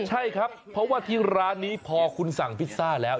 ใช่ครับเพราะว่าที่ร้านนี้พอคุณสั่งพิซซ่าแล้ว